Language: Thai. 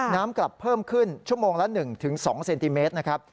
น้ำกลับเพิ่มขึ้นชั่วโมงละ๑๒เซนติเมตรนะครับ